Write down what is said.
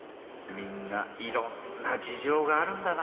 みんないろんな事情があるんだな。